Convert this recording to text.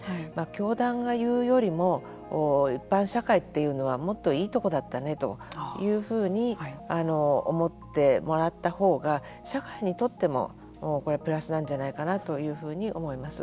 教団が言うよりも一般社会というのはもっといいとこだったねというふうに思ってもらった方が社会にとってもこれはプラスなんじゃないかなというふうに思います。